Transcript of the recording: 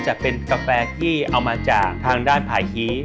จะเป็นกาแฟที่เอามาจากทางด้านภายคี้